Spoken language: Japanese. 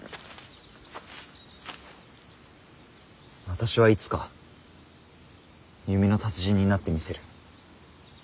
私はいつか弓の達人になってみせる。